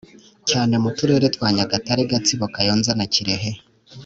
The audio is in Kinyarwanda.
cyane mu Turere twa Nyagatare Gatsibo Kayonza na Kirehe